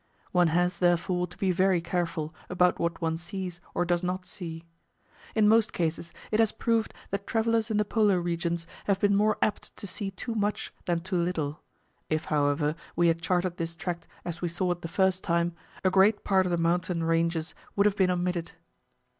One has, therefore, to be very careful about what one sees or does not see. In most cases it has proved that travellers in the Polar regions have been more apt to see too much than too little; if, however, we had charted this tract as we saw it the first time, a great part of the mountain ranges would have been omitted.